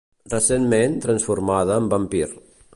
Recentment transformada amb vampir.